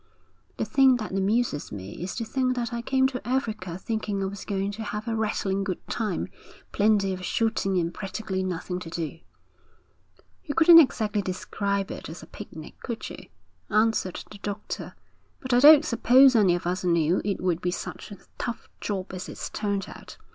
'The thing that amuses me is to think that I came to Africa thinking I was going to have a rattling good time, plenty of shooting and practically nothing to do.' 'You couldn't exactly describe it as a picnic, could you?' answered the doctor. 'But I don't suppose any of us knew it would be such a tough job as it's turned out.'